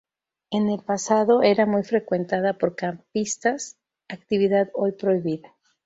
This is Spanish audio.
En el pasado era muy frecuentada por campistas, actividad hoy prohibida.